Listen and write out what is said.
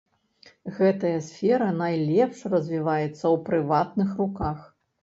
Гэтая сфера найлепш развіваецца ў прыватных руках.